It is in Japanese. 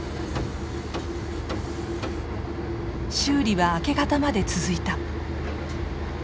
修理は明け方まで続いた。